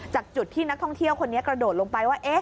จากจุดที่นักท่องเที่ยวคนนี้กระโดดลงไปว่า